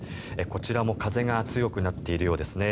こちらも風が強くなっているようですね。